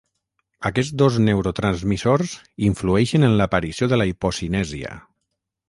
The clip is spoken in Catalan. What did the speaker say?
Aquests dos neurotransmissors influeixen en l'aparició de la hipocinèsia.